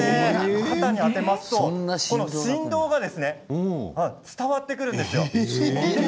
肩に当てますと振動が伝わってくるんですよ。